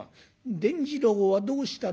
「『伝次郎はどうしたろ？